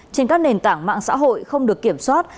trên các nền tảng mạng xã hội không được kiểm soát